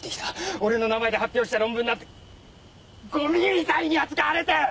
俺の名前で発表した論文なんてゴミみたいに扱われて。